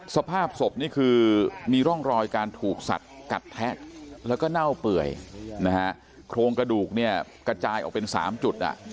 สภาพศพนี่คือมีร่องรอยการถูกสัดกัดแทะแล้วก็เน่าเปื่อยนะฮะโครงกระดูกเนี่ยกระจายออกเป็น๓จุด